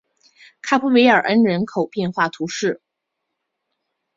卡普韦尔恩人口变化图示